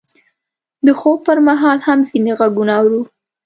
د خوب پر مهال هم ځینې غږونه اورو.